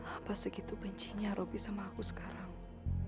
apa segitu bencinya robby sama aku sekarang